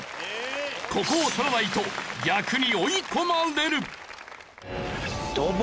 ここを取らないと逆に追い込まれる。